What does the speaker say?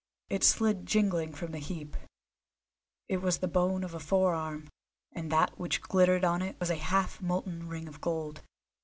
It slid jingling from the heap; it was the bone of a forearm, and that which glittered on it was a half molten ring of gold.